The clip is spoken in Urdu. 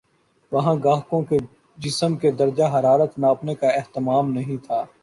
وہاں گاہکوں کے جسم کے درجہ حرارت ناپنے کا اہتمام نہیں تھا